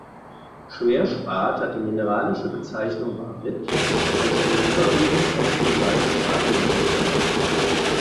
Schwerspat hat die mineralische Bezeichnung Baryt und besteht überwiegend aus dem Salz Bariumsulfat.